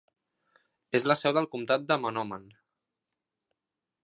És la seu del comtat de Mahnomen.